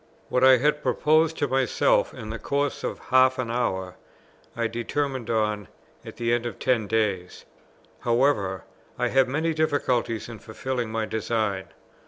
What I had proposed to myself in the course of half an hour, I determined on at the end of ten days. However, I have many difficulties in fulfilling my design.